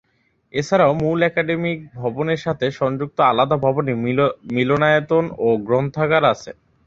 এছাড়াও মূল একাডেমিক ভবনের সাথে সংযুক্ত আলাদা ভবনে মিলনায়তন ও গ্রন্থাগার রয়েছে।